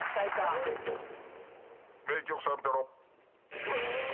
名曲サビトロ。